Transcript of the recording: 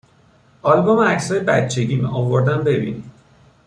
آلبوم عکسهای بچگیمه، آوردم ببینی